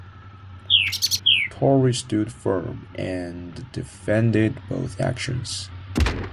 Torrey stood firm and defended both actions.